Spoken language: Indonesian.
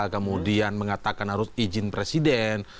kemudian mengatakan harus izin presiden